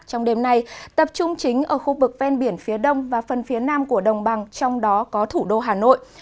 trong đêm nay tập trung chính ở khu vực ven biển phía đông và phần phía nam của đồng bằng trong đó có thủ đô hà nội